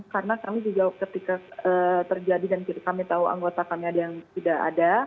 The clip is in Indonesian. karena kami juga ketika terjadi dan kami tahu anggota kami ada yang tidak ada